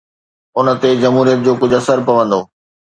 ان تي جمهوريت جو ڪجهه اثر پوندو.